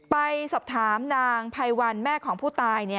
ไปสอบถามนางไพวันแม่ของผู้ตาย